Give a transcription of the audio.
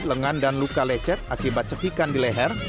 lengan dan luka lecet akibat cepikan di leher